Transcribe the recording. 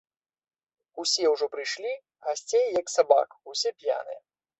Усе ўжо прыйшлі, гасцей, як сабак, усе п'яныя.